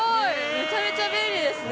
めちゃめちゃ便利ですね。